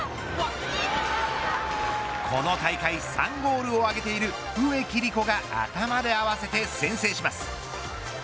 この大会３ゴールを挙げている植木理子が頭で合わせて先制します。